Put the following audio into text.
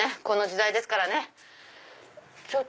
この時代ですからね。